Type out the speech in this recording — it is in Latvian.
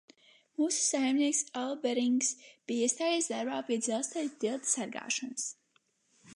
Mūsu saimnieks Alberings bija iestājies darbā pie dzelzceļa tilta sargāšanas.